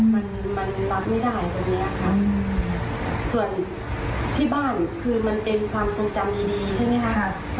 มันมันรับไม่ได้ตรงเนี้ยค่ะส่วนที่บ้านคือมันเป็นความทรงจำดีดีใช่ไหมคะ